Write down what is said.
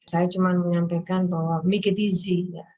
saya cuma menyampaikan bahwa make it easy